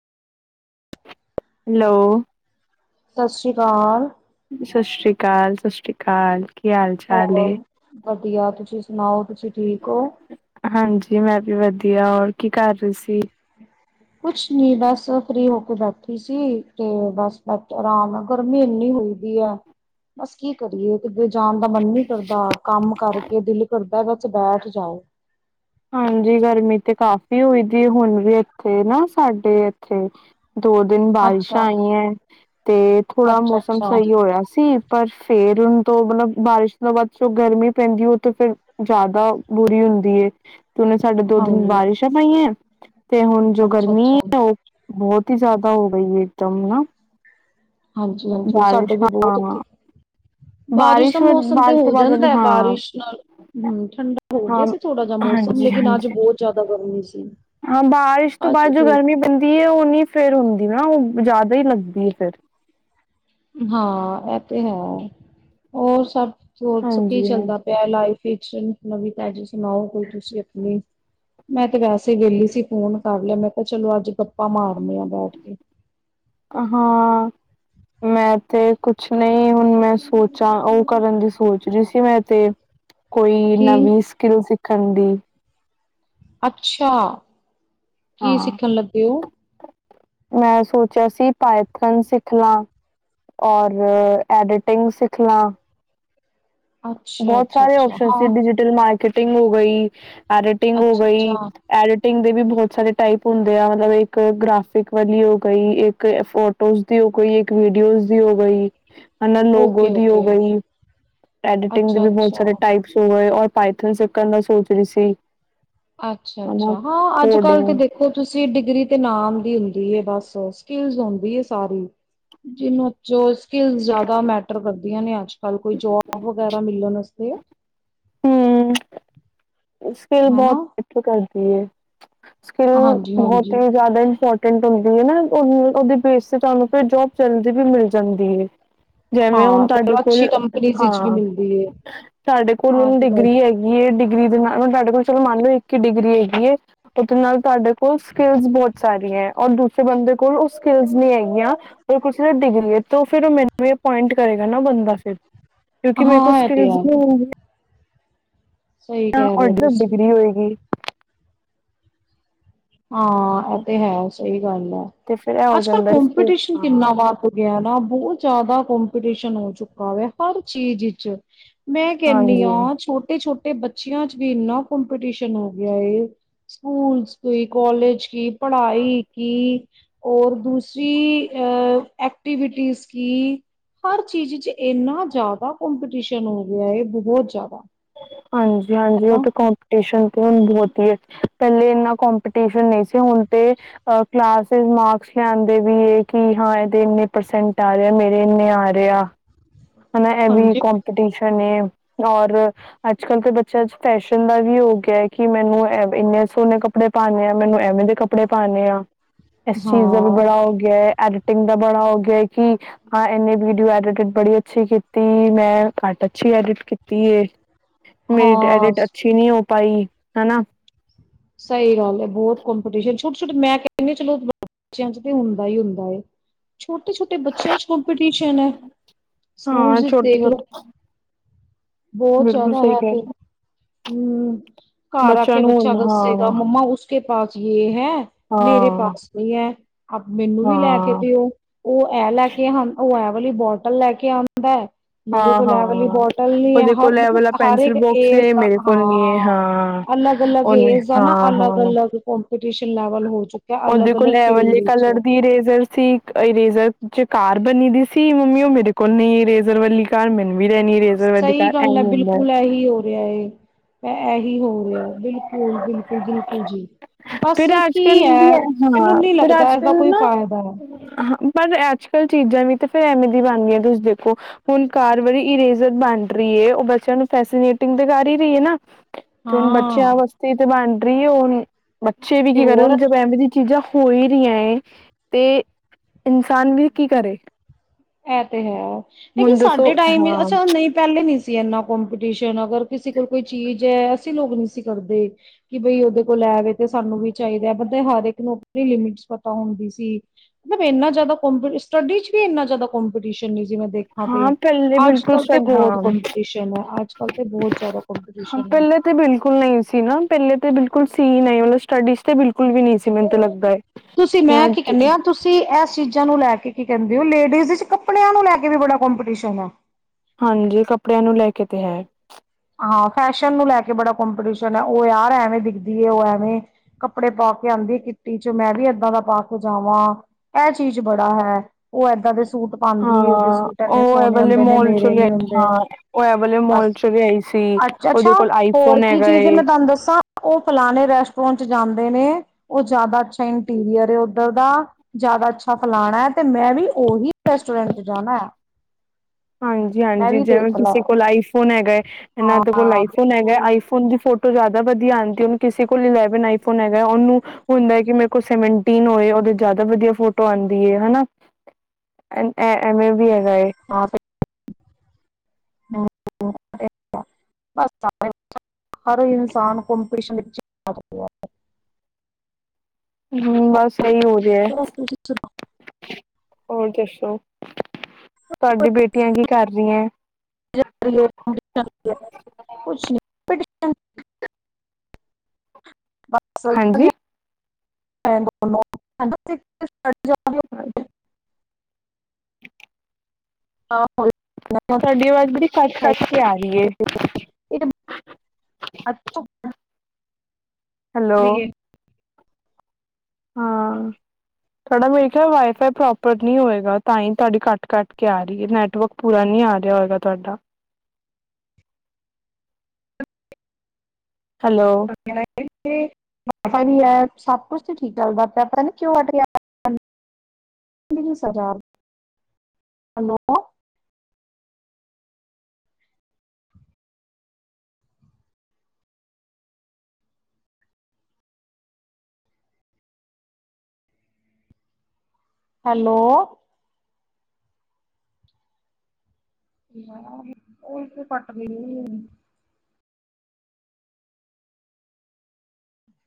Hello, ਸਤਿ ਸ੍ਰੀ ਅਕਾਲ, ਸਤਿ ਸ਼੍ਰੀ ਅਕਾਲ, ਸਤਿ ਸ਼੍ਰੀ ਅਕਾਲ। ਕੀ ਹਾਲ ਚਾਲ ਹੋਰ, ਏ? ਵਧੀਆ ਤੁਸੀ ਸੁਣਾਓ ਤੁਸੀ ਠੀਕ ਓ? ਹਾਂਜੀ, ਮੈਂ ਵੀ ਵਧੀਆ, ਹੋਰ ਕੀ ਕਰ ਰਹੇ ਸੀ? ਕੁਛ ਨੀ ਬਸ ਫ੍ਰੀ ਹੋ ਬੈਠੀ ਸੀ ਤੇ ਬਸ ਬੈਠ ਆਰਾਮ ਨਾਲ ਗਰਮੀ ਇੰਨੀ ਹੋਈ ਦੀ ਐ, ਬਸ ਕੀ ਕਰੀਏ ਕਿਤੇ ਜਾਣ ਦਾ ਮਨ ਨਹੀਂ ਕਰਦਾ, ਕੰਮ ਕਰਕੇ ਦਿਲ ਕਰਦਾ ਬਸ ਬੈਠ ਜਾਓ। ਹਾਂਜੀ ਗਰਮੀ ਤੇ ਕਾਫੀ ਹੋਈ ਦੀ ਹੁਣ ਵੀ ਇੱਥੇ ਨਾ ਸਾਡੇ ਇੱਥੇ ਦੋ ਦਿਨ ਬਾਰਿਸ਼ਾਂ ਅੱਛਾ ਆਈਆਂ ਤੇ ਥੋੜਾ ਅੱਛਾ ਮੌਸਮ ਅੱਛਾ ਸਹੀ ਹੋਇਆ ਸੀ। ਪਰ ਫੇਰ ਹੁਣ ਤੋਂ ਮਤਲਬ ਬਾਰਿਸ਼ ਤੋਂ ਬਾਅਦ ਜੋ ਗਰਮੀ ਪੈਂਦੀ ਐ ਉਹ ਤੇ ਫੇਰ ਜ਼ਿਆਦਾ ਬੁਰੀ ਹੁੰਦੀ ਐ। ਤੇ ਪਹਿਲਾਂ ਸਾਡੇ ਦੋ ਦਿਨ ਹਾਂਜੀ ਬਾਰਿਸ਼ਾਂ ਪਾਈਆਂ ਤੇ ਹੁਣ ਜੋ ਅੱਛਾ ਗਰਮੀ ਅੱਛਾ ਐ ਉਹ ਬਹੁਤ ਹੀ ਜ਼ਿਆਦਾ ਹੋ ਗਈ ਏ। ਤੋਂ ਨਾ ਹਾਂਜੀ-ਹਾਂਜੀ ਉਹ ਬਾਰਿਸ਼ ਸਾਡੇ ਵੀ ਬਹੁਤ ਹਾਂ ਉੱਥੇ, ਬਾਰਿਸ਼ ਦਾ ਮੌਸਮ ਤੇ ਬਾਰਿਸ਼ ਤੋਂ ਹੋ ਬਾਅਦ ਵਾਲੀ ਜਾਂਦੈ, ਹਾਂ ਬਾਰਿਸ਼ ਨਾਲ ਹੂੰ ਠੰਡਾ ਹੋ ਗਿਆ ਸੀ ਥੋੜਾ ਜਿਹਾ ਮੌਸਮ ਲੇਕਿਨ ਅੱਜ ਹਾਂਜੀ-ਹਾਂਜੀ, ਬਹੁਤ ਜ਼ਿਆਦਾ ਗਰਮੀ ਸੀ ਹਾਂ ਬਾਰਿਸ਼ ਤੋਂ ਅੱਜ ਬਾਅਦ ਜੋ ਬਹੁਤ ਗਰਮੀ ਬੈਂਦੀ ਐ, ਉਹ ਨਈ ਫੇਰ ਹੁੰਦੀ। ਨਾ ਉਹ ਜ਼ਿਆਦਾ ਹੀ ਲੱਗਦੀ ਐ ਫਿਰ। ਹਾਂ ਇਹ ਤੇ ਹੈ ਹੋਰ ਸਭ ਚੋਰਚ, ਕੀ ਹਾਂਜੀ ਚੱਲਦਾ ਪਿਆ ਲਾਈਫ ਕੁੱਛ ਨਵੀ ਤਾਂ ਜੀ ਸੁਣਾਓ ਕੋਈ ਤੁਸੀਂ ਆਪਣੀ? ਮੈਂ ਤੇ ਵੈਸੇ ਵਿਹਲੀ ਸੀ ਫੋਨ ਕਰ ਲਿਆ ਮੈਂ ਕਿਹਾ ਚਲੋ ਅੱਜ ਗੱਪਾਂ ਮਾਰਨੀਆਂ ਬੈਠ ਕੇ। ਹਾਂ ਮੈਂ ਤੇ ਕੁਛ ਨਈ ਹੁਣ ਮੈਂ ਸੋਚਾਂ, ਉਹ ਕਰਨ ਦੀ ਸੋਚ ਰਹੀ ਸੀ ਮੈਂ ਤੇ ਕੋਈ ਕੀ ਇੰਨਾ ਵੀਸ ਕਿਲੋ ਸੀ। ਖੰਡੀ ਅੱਛਾ, ਕੀ ਹਾਂ ਸਿੱਖਣ ਲੱਗੇ ਓ? ਮੈਂ ਸੋਚਿਆ ਸੀ ਪਾਇਥਨ ਸਿੱਖ ਲਾ ਔਰ ਐਡੀਟਿੰਗ ਸਿੱਖ ਲਾ। ਅੱਛਾ ਬਹੁਤ ਅੱਛਾ ਸਾਰੇ ਅੱਛਾ ਓਪਸ਼ਨ ਸੀ ਹਾਂ ਡਿਜੀਟਲ ਮਾਰਕ ਕਿਟਿੰਗ ਹੋ ਗਈ। ਐਡੀਟਿੰਗ ਹੋ ਅੱਛਾ ਗਈ। ਅੱਛਾ ਐਡੀਟਿੰਗ ਦੇ ਵੀ ਬਹੋ ਬਹੁਤ ਸਾਰੇ ਟਾਈਪ ਹੁੰਦੇ ਆ ਮਤਲਬ ਇੱਕ ਗ੍ਰਾਫਿਕ ਵਾਲੀ ਹੋ ਗਈ ਇੱਕ ਫੋਟੋਜ਼ ਦੀ ਹੋ ਗਈ ਇੱਕ ਵੀਡੀਓਜ਼ ਦੀ ਹੋ ਗਈ। ਹਨਾਂ ਲੋਗੋ ਓਕੇ ਦੀ ਹੋ ਓਕੇ ਗਈ। ਐਡੀਟਿੰਗ ਦੇ ਅੱਛਾ ਵੀ ਬਹੁਤ ਅੱਛਾ ਸਾਰੇ ਟਾਈਪਸ ਹੋ ਗਏ ਔਰ ਪਾਈਥਨ ਸਿੱਖਣ ਨਾਲ ਸੋਚ ਰਹੀ ਸੀ। ਅੱਛਾ ਹਨਾ ਅੱਛਾ ਹਾਂ, ਅੱਜ ਕੱਲ ਤੇ ਕੋਡਿੰਗ ਦੇਖੋ ਤੁਸੀਂ ਡਿਗਰੀ ਤੇ ਨਾਮ ਦੀ ਹੁੰਦੀ ਐ ਬਸ ਬਸ ਸਕਿਲਸ ਹੁੰਦੀ ਸਾਰੀ ਜਿਹਨੂੰ ਜੋ ਸਕਿਲਸ ਜ਼ਿਆਦਾ ਮੈਟਰ ਕਰਦੇ ਹੁੰਦੀਆਂ ਨੇ ਅੱਜ ਕੱਲ ਕੋਈ ਜੋਬ ਵਗੈਰਾ ਮਿਲਣ ਵਾਸਤੇ। ਹੂੰ ਸਕਿੱਲ ਹਨਾ ਬਹੁਤ [unintelligible] ਕਰਦੀ ਤੇ ਸਕਿੱਲ ਹਾਂਜੀ ਬਹੁਤ ਹਾਂਜੀ ਹੀ ਜ਼ਿਆਦਾ ਇੰਪੋਰ [unintelligible] ਓਹਦੇ ਬੇਸ ਤੇ ਤੁਹਾਨੂੰ ਜੋਬ ਜਲਦੀ ਵੀ ਮਿਲ ਜਾਂਦੀ ਹੈ। ਜਿਵੇਂ ਹੁਣ ਹਾਂ ਤੇ ਤੁਹਾਡੇ ਕੋਲ ਅੱਛੀ ਕੰਪਨੀ ਵਿੱਚ ਵੀ ਹਾਂ ਮਿਲਦੀ ਹੈ ਸਾਡੇ ਕੋਲ ਆਹ ਹੁਣ ਤੇ ਗੱਲ ਡਿਗਰੀ ਹੈਗੀ ਹੈ ਡਿਗਰੀ ਦੇ ਨਾਲ। ਹੁਣ ਤੁਹਾਡੇ ਕੋਲ ਚਲੋ ਮੰਨ ਲਓ ਇੱਕ ਡਿਗਰੀ ਹੈਗੀ ਇੱਕ ਨਾਲ ਤੁਹਾਡੇ ਕੋਲ ਸਕਿੱਲਸ ਬਹੁਤ ਸਾਰੀਆਂ ਹੈ ਰ ਦੂਸਰੇ ਬੰਦੇ ਕੋਲ ਸਕਲ ਨ ਹੈਗੀਆਂ ਡਿਗਰੀ ਹੈ ਔਰ ਦੂਸਰੇ ਬੰਦੇ ਕੋਲ ਉਹ ਸਕਿਲਸ ਨਹੀਂ ਹੈਗੀਆਂ ਉਹ [unintelligible] ਮੈਨੂੰ ਹੀ ਅਪੋਇੰਟ ਕਰੇਗਾ ਨਾ ਬੰਦਾ ਫਿਰ। ਕਿਉਂਕਿ ਮੇਰੇ ਕੋਲ ਹਾਂ ਇਹ ਤੇ ਸਕਿੱਲਸ ਨਹੀਂ ਹੈ ਹੁੰਦੀ ਸਹੀ ਨਾ ਕਹਿ ਰਹੇ ਹੋ ਓਢੀ ਓ ਤੁਸੀਂ ਡਿਗਰੀ ਹੋਏਗੀ। ਹਾਂ, ਇਹ ਤੇ ਹੈ। ਸਹੀ ਗੱਲ ਹੈ ਤੇ ਫਿਰ ਇਹ ਹੋ ਅੱਜ ਕੱਲ ਜਾਂਦਾ ਇਸ ਤੇ ਕੋਪੀਟੀਸ਼ਨ ਹਾਂ ਕਿੰਨਾ ਵੱਧ ਗਿਆ ਬਹੁਤ ਜ਼ਿਆਦਾ ਕੋਪੀਟੀਸ਼ਨ ਹੋ ਚੁੱਕਾ ਵਾ ਹਰ ਚੀਜ਼ ਵਿਚ ਮੈਂ ਕਹਿੰਦੀ ਹਾਂਜੀ ਹਾਂ ਛੋਟੇ ਛੋਟੇ, ਬੱਚਿਆਂ ਚ ਵੀ ਇੰਨਾ ਕੋਪੀਟੀਸ਼ਨ ਹੋ ਗਿਆ ਐ ਸਕੂਲਸ ਕੋਈ ਕੋਾਲਜ ਕੀ ਪੜ੍ਹਾਈ ਕੀ ਔਰ ਦੂਸਰੀ ਅ ਐਕਟੀਵਿਟੀਜ਼ ਕੀ ਹਰ ਚੀਜ਼ ਚ ਇੰਨਾ ਜ਼ਿਆਦਾ ਕਪੀਟੀਸ਼ਨ ਹੋ ਗਿਆ ਹੈ ਬਹੁਤ ਜ਼ਿਆਦਾ ਹਾਂਜੀ-ਹਾਂਜੀ, ਇਹ ਹੈਨਾ ਤੇ ਕੋਂਪੀਟੀਸ਼ਨ ਹੁਨ ਬਹੁਤ ਹੀ ਆ ਪਹਿਲੇ, ਇਨਾ ਕਪੀਟੀਸਨ ਨਹੀਂ ਸੀ ਹੁਣ ਤੇ ਕਲਾਸ ਚ ਮਾਰਕਸ ਲਿਆਂਦੇ ਵੀ ਆ ਕਿ ਹਾਂ ਇਹਦੇ ਇਨੇ ਪਰਸੈਂਟ ਆ ਰੇ, ਮੇਰੇ ਇਨੇ ਆਰੇਆ। ਹੈਨਾ ਇਹ ਵੀ ਹਾਂਜੀ ਕਪੀਟੀਸ਼ਨ ਏ। ਔਰ ਅੱਜ-ਕੱਲ੍ਹ ਤਾਂ ਬੱਚਿਆਂ ਚ ਫੈਸ਼ਨ ਦਾ ਵੀ ਹੋ ਗਿਆ। ਕਿਹਾ ਕਿ ਮੈਨੂੰ ਇੰਨੇ ਸੋਨੇ ਕੱਪੜੇ ਪਾਉਂਦੇ ਆ ਮੈਨੂ ਏਵੇਂ ਦੇ ਕੱਪੜੇ ਪਾਨੇਆਾਂ। ਇਸ ਚੀਜ਼ ਦਾ ਵੀ ਹਾਂ, ਬੜਾ ਹੋ ਗਿਆ ਹੈ ਐ ਇਂਦਾ ਬੜਾ ਹੋ ਗਿਆ ਇੱਕ ਕਿ ਹਾਂ ਇੰਨੇ ਵੀਡੀਓ ਐਢਿ ਫਿਰ ਬੜਿ ਅੱਛੀ ਕੀਤੀ, ਮੈਂ ਘੱਟ ਅੱਛੀ ਐਡਿਟ ਕੀਤੀ ਏ। ਮੇਰੀ ਐ ਐਡਿਟ ਹਾਂ ਅੱਛੀ ਨਹੀ ਹੋ- ਪਾਈ ਹੈਨਾ। ਸਹੀ ਗੱਲ ਏ, ਬਹੁਤ ਕੰਪੀਟੀਸ਼ਨ ਛੋਟੇ- ਛੋਟੇ ਮੈਂ ਕਹਿੰਦੀ ਚਲੋ ਬੱਚਿਆਂ ਚ ਤੇ ਹੁੰਦਾ ਈ ਹੁੰਦਾ ਏ। ਛੋਟੇ- ਛੋਟੇ ਬੱਚਿਆਂ ਚ ਕਪੀਟੀਸ਼ਨ ਹੈ, ਸਕੂਲ ਹਾਂ ਵਿੱਚ ਛੋਟੇ ਦੇਖ ਲੋ। ਛੋਟੇ ਬਹੁਤ ਬਿਲਕੁਲ ਜ਼ਿਆਦਾ ਸਹੀ ਹੈ ਕਹਿ ਤੇ ਰਹੇ ਹੂੰ -ਹੂੰ। ਬੱਚਿਆਂ ਨੂੰ ਹੁਣ ਹਾਂ। ਕੇਗਾ ਮੰਮਾ ਉਸਕੇ ਪਾ ਜੀ ਏ। ਹੈਂ ਮੇਰੇ ਹਾਂ ਪਾਸ ਨਹੀਂ ਏ। ਆਪ ਮੈਨੂੰ ਵੀ ਲੈ ਕੇ ਹਾਂ ਦਿਓ। ਉਹ ਐ ਲੈ ਕੇ ਆਂਦ ਹ ਉਹ ਐ। ਓਵਲੀ ਬੋਟਲ ਲੈ ਕੇ ਆਂਦਾ। ਹਾਂ-ਹਾਂ, ਉਹਦੇ ਹਰ ਕੋਲ ਇਹ ਮਤਲਬ ਵਾਲਾ ਹਰ ਪੈਨਸਿਲ ਇੱਕ ਬੋਕਸ ਏਜ ਏ, ਦਾ ਮੇਰੇ ਕੋਲ ਨੀ ਏ। ਹਾਂ ਉਹਨੇ ਹਾਂ ਹੈਨਾ, ਅਲੱਗ ਹਾਂ -ਅਲੱਗ। ਕਪੀਟੀਸ਼ਨ ਲੈਵਲ ਹੋ ਚੁੱਕਿਆ ਉਹਦੇ ਅਲੱਗ ਕੋਲ ਅਲੱਗ ਐ ਫੀਲਡ ਵਲੇ ਵਿੱਚ ਕਲਰ ਦੀ ਇਰੇਜਰ ਸੀ। ਇਰੇਜਰ ਚ ਕਾਰ- ਬਣੀ ਦੀ ਸੀ। ਮੰਮੀ ਉਹ ਮੇਰੇ ਕੋਲ ਨਹੀਂ ਇਰੇਜ਼ਰ ਵਾਲੀ ਕਾਰ ਮੈਨੂੰ- ਵੀ ਲੈਣੀ ਇਰੇਜ਼ਰ ਵਾਲੀ ਸਹੀ ਕਾਰ ਗੱਲ ਐਵੇਂ ਹੈ, ਹੁੰਦਾ ਬਿਲਕੁਲ ਏਹੀ ਹੋ ਰਿਹਾ ਏ। ਇਹੀ ਹੋ ਰਿਹਾ, ਬਿਲਕੁਲ-ਬਿਲਕੁਲ-ਬਿਲਕੁਲ ਜੀ। ਬਸ ਫਿਰ ਅੱਜ-ਕੱਲ ਕੀ ਵੀ ਹੈ ਨਾ ਮੈਨੂੰ ਨੀ ਫਿਰ ਲੱਗਦਾ ਇਸਦਾ ਅੱਜ-ਕੱਲ ਕੋਈ ਨਾ ਫਾਇਦਾ ਹੈ ਹ ਪਰ ਅੱਜ -ਕੱਲ ਚੀਜ਼ਾਂ ਵੀ ਤੇ ਫੇਰ ਐਵੇਂ ਦੀ ਬਣਗੀ ਏ, ਤੁਸੀਂ ਦੇਖਿਓ। ਹੁਣ ਕਾਰ ਵਾਲੀ ਇਰੇਸਰ ਜੇ ਬਣ ਰੀਏ ਉਹ ਬੱਚਿਆਂ ਨੂੰ ਫੈਸੀਨੇਟਿੰਗ ਤੇ ਕਰ ਈ ਰਈ ਨਾ- ਹੂਨ, ਬਚਿਆ ਹਾਂ। ਵਸਤੇ ਤੇ ਏ ਬਣ [unintelligible] ਬੱਚੇ ਵੀ ਤੇ ਕੀ ਹੋਰ ਕਰਨ ਜਬ ਏਹੋ ਜੀ ਚੀਜ਼ਾਂ- ਹੋ ਈ ਰਹੀਆਂ। ਤੇ ਇਨਸਾਨ ਵੀ ਕੀ ਕਰੇ। ਐ ਤੇ ਹੈ। ਲੇਕਿਨ ਹੁਣ ਦੱਸੋ ਸਾਡੇ ਟਾਈਮ ਹਾਂ ਅੱਸਾ ਨਹੀਂ ਪਹਿਲੇ ਨੀ ਸੀ ਤੇ ਏਨਾ ਕੰਪੀਟੀਸ਼ਨ - ਤੇ ਅਗਰ ਕਿਸੇ ਕੋਲ ਕੋਈ ਚੀਜ਼ ਤੇ ਅਸੀ ਲੋਕ ਨਹੀਂ ਸੀ ਕਰਦੇ ਕਿ ਬਈ ਓਦੇ ਕੋਲ ਐ ਵੇ ਤੇ ਸਾਨੂੰ ਵੀ ਚਾਹੀਦਾ। ਬੰਦੇ ਹਰ ਇਕ ਨੂੰ ਆਪਣੀ ਲਿਮਿਟਸ ਪਤਾ ਹੁੰਦੀ ਸੀ। ਮਤਲਬ ਇੰਨਾ ਜ਼ਿਆਦਾ ਕੰਪੀਟੀਸ਼ਨ। ਸਟੱਡੀ ਚ ਵੀ ਇੰਨਾ ਜ਼ਿਆਦਾ- ਕਪਟੀਸ਼ਨ ਨਹੀਂ ਜਿਵੇਂ ਦੇਖਾਂ ਤੇ ਹਾਂ ਪਹਿਲੇ ਅੱਜ ਬਿਲਕੁਲ ਕਲ੍ਹ ਤੇ ਸਡ ਬਹੁਤ ਹਾਂ ਕੰਪੀਟੀਸ਼ਨ ਐ। ਅੱਜ ਕਲ ਤੇ ਬਹੁਤ ਜ਼ਿਆਦਾ ਕੰਪੀਟੀਸ਼ਨ ਐ। ਪਹਿਲੇ ਤੇ ਬਿਲਕੁਲ ਨਹੀਂ ਸੀ ਨਾ ਪਹਿਲੇ ਤੇ ਬਿਲਕੁਲ ਸੀ ਨਹੀਂ। ਸਟੱਡੀਜ਼ ਤੇ ਬਿਲਕੁਲ ਵੀ ਨਹੀਂ ਸੀ ਮੈਨੂੰ ਤਾਂ ਲੱਗਦਾ ਹੈ ਤੁਸੀਂ ਕਿ ਮੈਂ ਕੀ ਕਹਿੰਦੇ ਆ ਤੁਸੀਂ ਇਸ ਚੀਜ਼ਾਂ ਨੂੰ ਲੈ ਕੇ ਕੀ ਕਿਹਦੇ ਉ ਲੇਡੀਜ਼ ਚ' ਕੱਪੜਿਆਂ ਨੂੰ ਲੈ ਕੇ ਵੀ ਬੜਾ ਕਪੀਟੀਸ਼ਨ ਏ ਹਾਂਜੀ, ਕੱਪੜਿਆਂ ਨੂੰ ਲੈ ਕੇ ਤੇ ਹੈ ਹਾਂ, ਫੈਸ਼ਨ ਨੂੰ ਲੈ ਕੇ ਬੜਾ ਕੰਪੀਟੀਸ਼ਨ ਹੈ ਉਹ ਯਾਰ ਐਵੇਂ ਦਿਖਦੀ ਹੈ ਉਹ ਐਵੇਂ, ਕੱਪੜੇ ਪਾ ਕੇ ਆਉਂਦੀ ਕਿੱਟੀ ਚ' ਮੈਂ ਵੀ ਏਦਾਂ ਦਾ ਪਾ ਕੇ ਜਾਵਾਂ ਇਹ ਚੀਜ਼ ਬੜਾ ਹੈ ਉਹ ਏਦਾਂ ਦੇ ਸੂਟ ਪਾਉਂਦੀ ਉਹਦੇ ਹਾਂ, ਸੂਟ ਇੰਨੇ ਉਹ ਏ ਸੋਹਣੇ ਵਾਲੇ ਹੁੰਦੇ ਨੇ ਮੋਲ ਚੋਂ ਮੇਰੇ ਨੀ ਲਿਆਈ, ਹੁੰਦੇ ਹਾਂ ਉਹ ਏ ਵਾਲੇ ਬਸ ਮੋਲ ਚੋਂ ਲਿਆਈ ਸੀ ਅੱਛਾ, ਅੱਛਾ ਉਹਦੇ ਕੋਲ ਹੋਰ ਆਈਫੋਨ ਕੀ ਹੈਗਾ ਚੀਜ਼ ਹੈ ਏ ਮੈਂ ਤੁਹਾਨੂੰ ਦੱਸਾਂ ਉਹ ਫਲਾਣੇਂ ਰੈਸਟੋਰੈਂਟ ਚ' ਜਾਂਦੇ ਨੇ ਉਹ ਜ਼ਿਆਦਾ ਅੱਛਾ ਇੰਟੀਰੀਅਰ ਏ ਉੱਧਰ ਦਾ ਜ਼ਿਆਦਾ ਅੱਛਾ ਆ ਫਲਾਂਣਾ ਹੈ ਤੇ ਮੈਂ ਵੀ ਉਹੀ ਰੈਸਟੋਰੈਂਟ ਜਾਣਾ ਹੈ ਹਾਂਜੀ, ਮੈਂ ਹਾਂਜੀ ਵੀ ਜਿਵੇਂ ਦੇਖ ਲ ਤੁਸੀਂ ਕੋਲ ਆਈਫੋਨ ਏ ਹੈਗਾ ਇਹਨਾਂ ਦੇ ਕੋਲ ਹਾਂ ਆਈਫੋਨ ਹੈਗਾ, ਬਿਲਕੁਲ ਆਈਫੋਨ ਦੀ ਫੋਟੋ ਜ਼ਿਆਦਾ ਵਧੀਆ ਆਉਂਦੀ ਹੁਣ ਕਿਸੇ ਕੋਲ ਇਲੇਵਨ ਆਈਫੋਨ ਹੈਗਾ, ਉਹਨੂੰ ਹੁੰਦਾ ਹੈ ਕਿ ਮੇਰੇ ਕੋਲ ਸੈਂਵਨਟਿਨ ਹੋਵੇ ਉਹਦੇ ਚ' ਜਿਆਦਾ ਵਧੀਆ ਫੋਟੋਂ ਆਂਦੀ ਹੈ, ਹੈਨਾ ਇਵੇਂ ਵੀ ਹੈ ਏ ਬ ਹਰ ਇਨਸਾਨ ਕਪੀਟਿਸ਼ਨ ਵਿਚ [unintelligible] ਹੁੰ ਬਸ ਇਹੀ ਹੋ ਰਿਆ, ਜਿਹੜਾ ਤੁਸੀਂ ਸੁਣੋ ਹੋਰ ਦੱਸੋ ਤੁਹਾਡੀ ਬੇਟੀਆਂ ਕੀ ਕਰ ਰਹੀਆਂ [unintelligible] ਕੁਛ ਨਹੀਂ ਬਸ ਹਾਂਜੀ [unintelligible] ਦੋ [unintelligible] [unintelligible] ਆਹੋ [unintelligible] ਸਾਡੀ ਆਵਾਜ਼ ਬੜੀ ਕੱਟ -ਕੱਟ ਕੇ ਆ ਰਹੀ ਏ ਤੇ ਇਹ ਅੱਛਾ ਹੈਲੋ ਕਰੀਏ ਹਾਂ, ਤੁਹਾਡਾ ਮੇਰੇ ਖਿਆਲ ਵਾਈਫਾਈ ਪ੍ਰੋਪਰ ਨਹੀਂ ਹੋਏਗਾ, ਤਾਂ ਹੀ ਤੁਹਾਡੀ ਕੱਟ ਕੱਟ ਕੇ ਆ ਰਹੀ ਹੈ ਨੈਟਵਰਕ ਪੂਰਾ ਨਹੀਂ ਆ ਰਿਹਾ ਹੋਏਗਾ ਤੁਹਾਡਾ ਹੈਲੋ, ਇਥੇ ਵਾਈ ਫਾਈ ਵੀ ਏ, ਸਭ ਕੁਛ ਤੇ ਠੀਕ ਚੱਲਦਾ ਪਿਆ ਪਤਾ ਨਹੀਓ ਕਿਉ ਕੱਟ-ਕੱਟ ਕੇ, ਹੈਲੋ ਹੈਲੋ, ਔ ਯਾਰ ਉਹੀ ਤੇ ਪੱਟਦੀ ਨਹੀਂ